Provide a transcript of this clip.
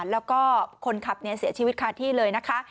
แล้วก็คนขับเสียชีวิตคาที่เลยนะคะ